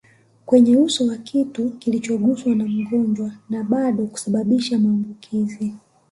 kwenye uso wa kitu kilichoguswa na mgonjwa na bado kusababisha maambukizi